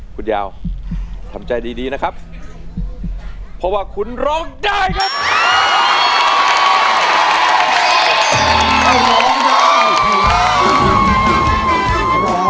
คุณยาวทำใจดีนะครับเพราะว่าคุณร้องได้ครับ